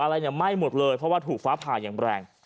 อะไรเนี่ยไหม้หมดเลยเพราะว่าถูกฟ้าผ่าอย่างแรง